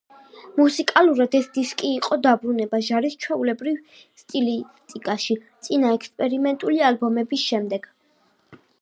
მუსიკალურად ეს დისკი იყო დაბრუნება ჟარის ჩვეულებრივ სტილისტიკაში, წინა ექსპერიმენტული ალბომების შემდეგ.